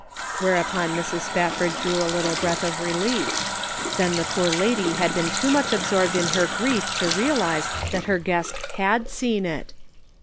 (Whereupon Mrs. Spafford drew a little breath of relief ; then the poor lady had been too much absorbed in her grief to realize that her guest had seen it